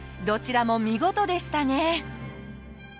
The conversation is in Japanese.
どちらも見事でしたね。